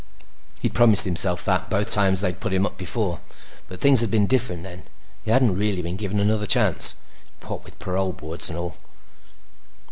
He'd promised himself that both times they'd put him up before, but things had been different then. He hadn't really been given another chance, what with parole boards and all.